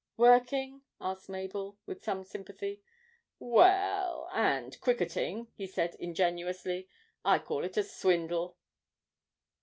'Working?' asked Mabel, with some sympathy. 'Well and cricketing,' he said ingenuously. 'I call it a swindle.'